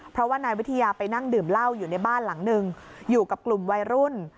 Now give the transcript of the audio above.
เพราะว่านายวิทยาไปนั่งดื่มเหล้าอยู่ในบ้านหลังหนึ่งอยู่กับกลุ่มวัยรุ่น